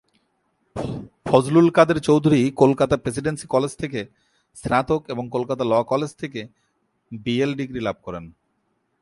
Fazlul Kader Chowdhury Kolkata Presidency College থেকে স্নাতক এবং কলকাতা ল’ কলেজ থেকে বিএল ডিগ্রী লাভ করেন।